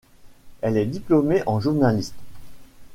Elle est diplômée en journalisme.